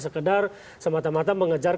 sekedar semata mata mengejar